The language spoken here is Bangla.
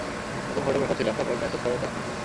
প্রথমে ফটোগ্রাফার ছিলাম, তারপর ম্যাসাজ করার কাজ করতাম।